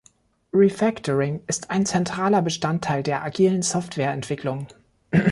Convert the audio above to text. Refactoring ist ein zentraler Bestandteil der Agilen Softwareentwicklung.